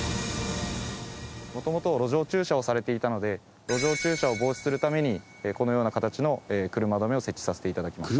元々路上駐車をされていたので路上駐車を防止するためにこのような形の車止めを設置させて頂きました。